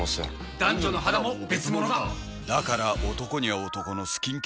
男女の肌も別物だ！